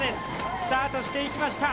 スタートしていきました。